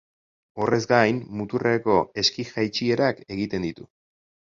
Horrez gain, muturreko eski-jaitsierak egiten ditu.